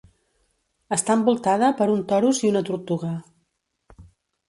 Està envoltada per un torus i una tortuga.